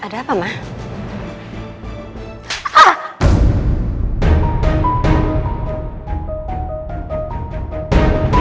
ada apa mbak